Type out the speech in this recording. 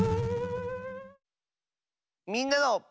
みんなの。